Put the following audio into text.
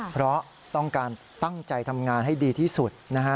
เพราะต้องการตั้งใจทำงานให้ดีที่สุดนะฮะ